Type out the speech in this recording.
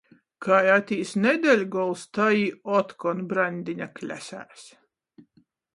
Kai atīs nedeļgols, tai jī otkon braņdīņa klesēs.